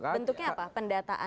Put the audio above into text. bentuknya apa pendataan